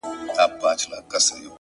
• له چینې به دي ساړه سیوري ټولیږي ,